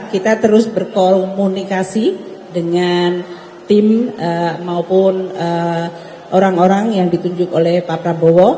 kita terus berkomunikasi dengan tim maupun orang orang yang ditunjuk oleh pak prabowo